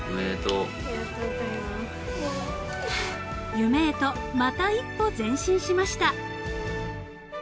［夢へとまた一歩前進しました］